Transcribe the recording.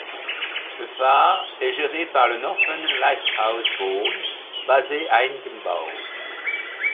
Le phare est géré par le Northern Lighthouse Board basé à Édimbourg.